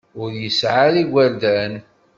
Ur yesɛi ara igerdan.